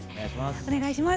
お願いします。